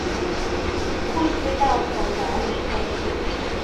不知道從哪裡開始